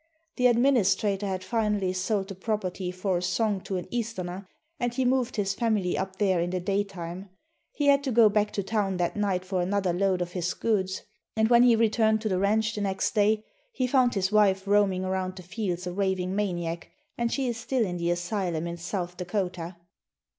The administrator had finally sold the property for a song to an easterner and he moved his family up there in the day time. He had to go back to town that night for another load of his goods, and when he returned to the ranch the next day, he found his wife roaming around the fields a raving maniac, and she is still in the asylum in South Dakota.